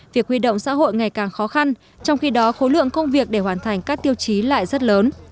việc huy động xã hội ngày càng khó khăn trong khi đó khối lượng công việc để hoàn thành các tiêu chí lại rất lớn